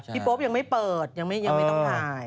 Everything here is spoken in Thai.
โป๊ปยังไม่เปิดยังไม่ต้องถ่าย